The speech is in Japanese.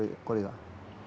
これが。